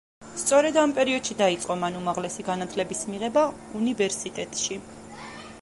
სწორედ ამ პერიოდში დაიწყო მან უმაღლესი განათლების მიღება უნივერსიტეტში.